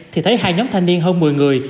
thì thấy hai nhóm thanh niên hơn một mươi người